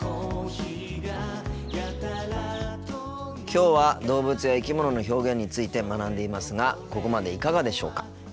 きょうは動物や生き物の表現について学んでいますがここまでいかがでしょうか。